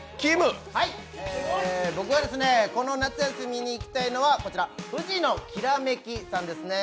僕はこの夏休みに行きたいのはこちら藤乃煌さんですね。